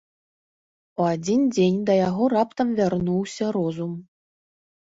У адзін дзень да яго раптам вярнуўся розум.